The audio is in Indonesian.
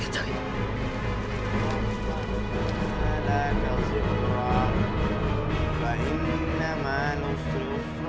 nanti kisanak akan menangkapmu